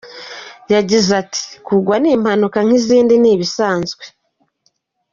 Yagize ati :”Kugwa ni impanuka nk’izindi, ni ibisanzwe.